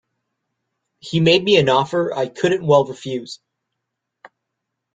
He made me an offer I couldn't well refuse.